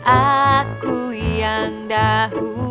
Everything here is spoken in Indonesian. aku yang dahulu